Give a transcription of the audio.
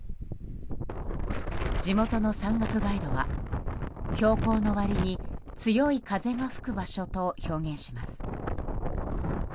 地元の山岳ガイドは標高の割に強い風が吹く場所と表現します。